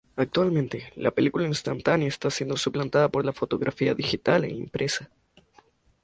Actualmente, la película instantánea está siendo suplantada por la fotografía digital e impresa.